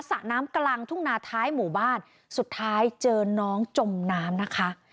สระน้ำกลางทุ่งนาท้ายหมู่บ้านสุดท้ายเจอน้องจมน้ำนะคะ